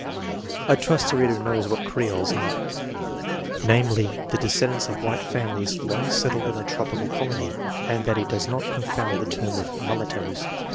(I trust the reader knows what '' Creoles " are — namely, the descendants of white families long settled in a tropical colony; and that he does not confound the term with "mulattoes.")